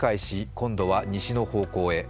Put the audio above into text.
今度は西の方向へ。